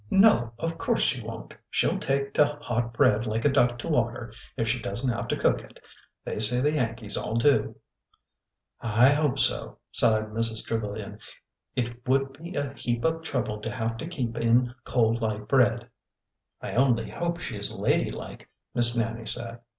'' No ! Of course you won't ! She 'll take to hot bread i6 ORDER NO. 11 like a duck to water if she does n't have to cook it. They say the Yankees all do." '' I hope so," sighed Mrs. Trevilian. '' It would be a heap of trouble to have to keep in cold light bread." '' I only hope she is ladylike," Miss Nannie said.